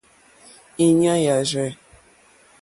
Èɲú yà rzɛ̂.